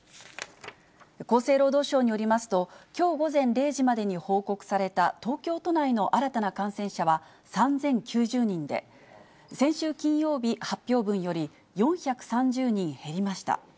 厚生労働省によりますと、きょう午前０時までに報告された東京都内の新たな感染者は３０９０人で、先週金曜日発表分より４３０人減りました。